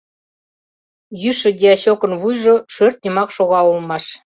Йӱшӧ дьячокын вуйжо шӧртньымак шога улмаш.